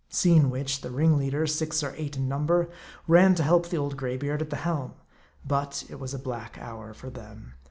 Seeing which, the ringleaders, six or eight in number, ran to help the old graybeard at the helm. But it was a black hour for them.